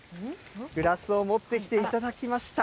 グラスを持ってきていただきました。